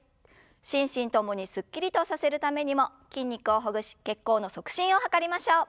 心身共にすっきりとさせるためにも筋肉をほぐし血行の促進を図りましょう。